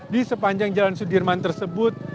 di sepanjang jalan sudirman tersebut